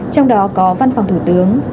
trong đó có văn phòng thủ tướng